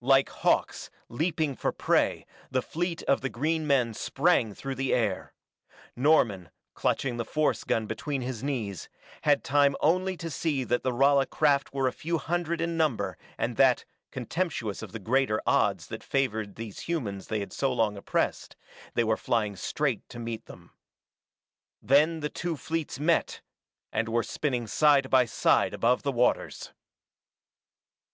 Like hawks, leaping for prey, the fleet of the green men sprang through the air. Norman, clutching the force gun between his knees, had time only to see that the Rala craft were a few hundred in number and that, contemptuous of the greater odds that favored these humans they had so long oppressed, they were flying straight to meet them. Then the two fleets met and were spinning side by side above the waters.